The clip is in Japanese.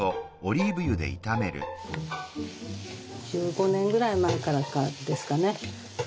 １５年ぐらい前からかですかね。